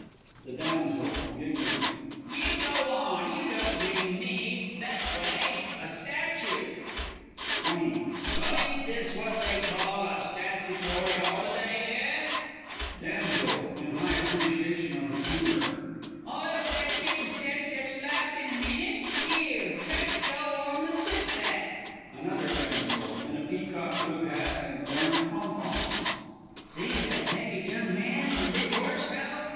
THE DAMSEL. You go on you don't green me that w'y a statute! SWAIN. Well, 'yn't this what they call a "Statutory" 'Oliday, eh? DAMSEL (in high appreciation of his humour). I'll fetch you sech a slap in a minnit! 'Ere, let's gow on the Swissback. Another Damsel (in a peacock blue hat with orange pompons). See that nekked young man on the big 'orse, ALF?